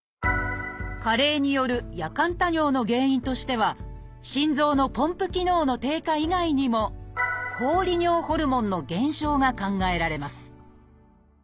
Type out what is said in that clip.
加齢による夜間多尿の原因としては心臓のポンプ機能の低下以外にも抗利尿ホルモンの減少が考えられます